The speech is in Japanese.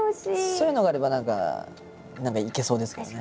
そういうのがあれば何か何か行けそうですけどね。